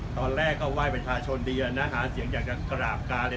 ตอนแรกก็ไหว้ประชาชนดีนะหาเสียงอยากจะกราบการเนี่ย